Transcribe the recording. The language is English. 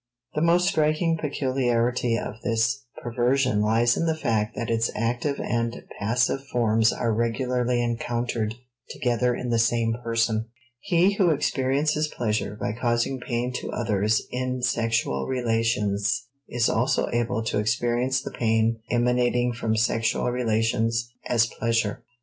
The most striking peculiarity of this perversion lies in the fact that its active and passive forms are regularly encountered together in the same person. He who experiences pleasure by causing pain to others in sexual relations is also able to experience the pain emanating from sexual relations as pleasure.